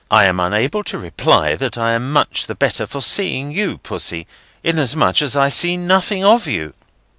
"I am unable to reply that I am much the better for seeing you, Pussy, inasmuch as I see nothing of you."